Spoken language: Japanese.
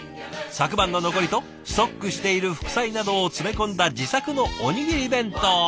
昨晩の残りとストックしている副菜などを詰め込んだ自作のおにぎり弁当。